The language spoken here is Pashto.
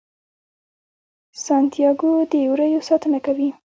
سانتیاګو د وریو ساتنه کوي.